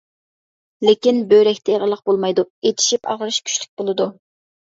لېكىن بۆرەكتە ئېغىرلىق بولمايدۇ، ئىچىشىپ ئاغرىش كۈچلۈك بولىدۇ.